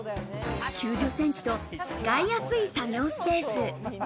９０センチと使いやすい作業スペース。